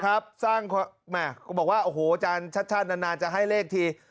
นะครับสร้างความไม่บอกว่าโอ้โหอาจารย์ชัดนานจะให้เลขที่